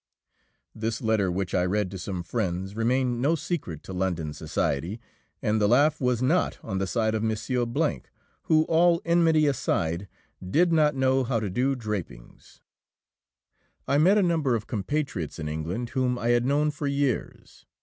This letter, which I read to some friends, remained no secret to London society, and the laugh was not on the side of M. , who, all enmity aside, did not know how to do drapings. I met a number of compatriots in England whom I had known for years.